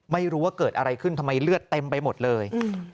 ไม่รู้ว่าเกิดอะไรขึ้นทำไมเลือดเต็มไปหมดเลย